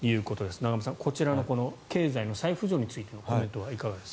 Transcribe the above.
永濱さん、こちらの経済の再浮上についてのコメントはいかがですか？